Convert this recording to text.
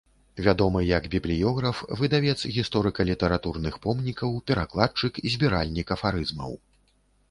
Вядомы як бібліёграф, выдавец гісторыка-літаратурных помнікаў, перакладчык, збіральнік афарызмаў.